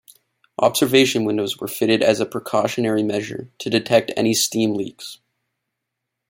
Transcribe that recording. Observation windows were fitted as a precautionary measure, to detect any steam leaks.